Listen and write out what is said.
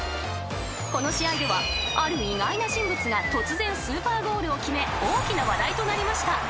［この試合ではある意外な人物が突然スーパーゴールを決め大きな話題となりました］